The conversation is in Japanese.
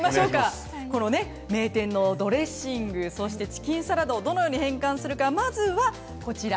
名店のドレッシングそしてチキンサラダをどのように変換するかまずは、こちら。